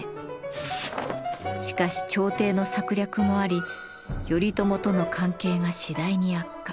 しかし朝廷の策略もあり頼朝との関係が次第に悪化。